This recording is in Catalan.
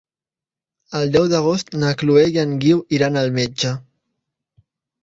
El deu d'agost na Chloé i en Guiu iran al metge.